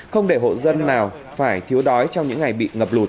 không để hộ dân nào phải thiếu đói trong những ngày bị ngập lụt